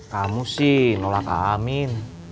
kamu sih nolak amin